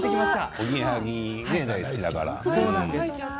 おぎやはぎが好きだからね。